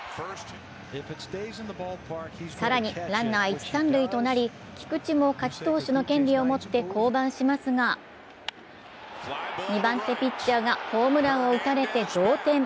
更に、ランナー一・三塁となり、菊池も勝ち投手の権利を持って降板しますが２番手ピッチャーがホームランを打たれて同点。